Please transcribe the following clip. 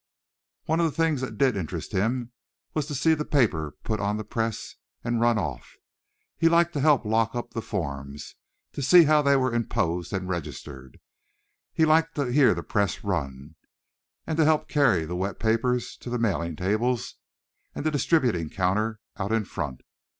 One of the things that did interest him was to see the paper put on the press and run off. He liked to help lock up the forms, and to see how they were imposed and registered. He liked to hear the press run, and to help carry the wet papers to the mailing tables and the distributing counter out in front.